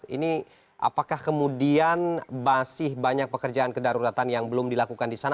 ini apakah kemudian masih banyak pekerjaan kedaruratan yang belum dilakukan di sana